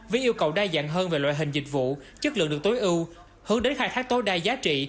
vì yêu cầu đa dạng hơn về loại hình dịch vụ chất lượng được tối ưu hướng đến khai thác tối đa giá trị